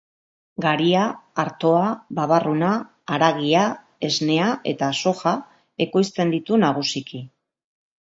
Garia, artoa, babarruna, haragia, esnea eta soja ekoizten ditu nagusiki.